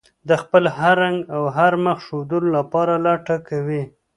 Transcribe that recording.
د خپل هر رنګ او هر مخ ښودلو لپاره لټه کوي.